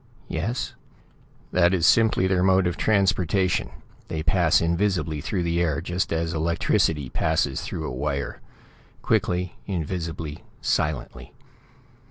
"Yes." "That is simply their mode of transportation. They pass invisibly through the air, just as electricity passes through a wire; quickly, invisibly, silently.